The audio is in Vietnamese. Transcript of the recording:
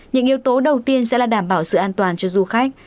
những yếu tố đầu tiên sẽ là đảm bảo sự an toàn cho du khách